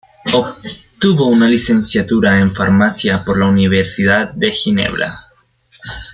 Obtuvo una licenciatura en farmacia por la Universidad de Ginebra.